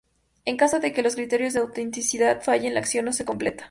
En caso de que los criterios de autenticidad fallen, la acción no se completa.